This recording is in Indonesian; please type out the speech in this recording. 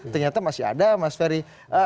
ternyata masih ada mas ferry